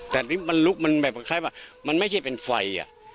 แต่อันนั้นมันลุกมันชัยว่ะมันไม่ใช่เป็นไฟล์อ่ะ